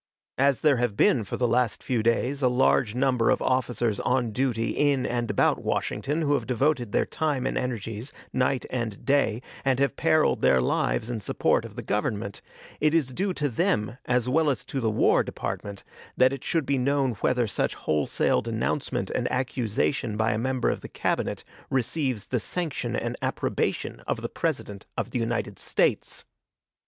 As there have been for the last few days a large number of officers on duty in and about Washington who have devoted their time and energies, night and day, and have periled their lives in the support of the Government, it is due to them, as well as to the War Department, that it should be known whether such wholesale denouncement and accusation by a member of the Cabinet receives the sanction and approbation of the President of the United States.